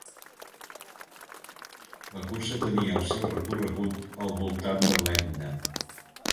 La cursa tenia el seu recorregut al voltant de l'Etna.